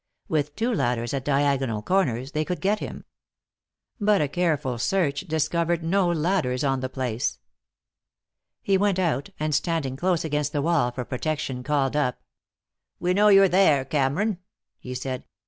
With two ladders, at diagonal corners, they could get him. But a careful search discovered no ladders on the place. He went out, and standing close against the wall for protection, called up. "We know you're there, Cameron," he said.